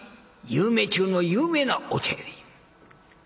有名中の有名なお茶屋で」。